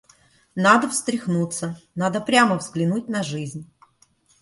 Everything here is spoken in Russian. Надо встряхнуться, надо прямо взглянуть на жизнь.